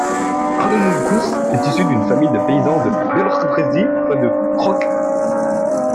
Jan Edmund Guz est issu d'une famille de paysans de Białobrzegi près de Kock.